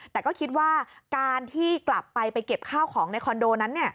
แต่ก็คิดว่าการที่กลับไปไปเก็บข้าวของในคอนโดนั้น